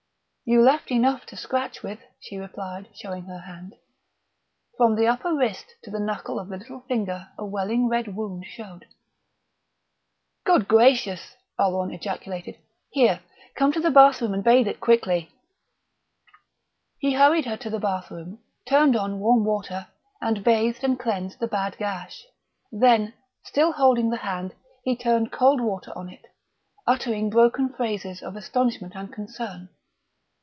"You left enough to scratch with," she replied, showing her hand. From the upper wrist to the knuckle of the little finger a welling red wound showed. "Good Gracious!" Oleron ejaculated.... "Here, come to the bathroom and bathe it quickly " He hurried her to the bathroom, turned on warm water, and bathed and cleansed the bad gash. Then, still holding the hand, he turned cold water on it, uttering broken phrases of astonishment and concern.